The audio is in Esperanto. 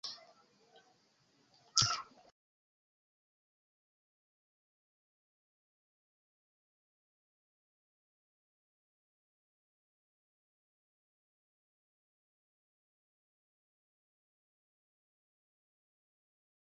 Tamen oni kutime evitas "o" ĉar ĝi povas kaŭzi konfuzon pro simileco je nulo.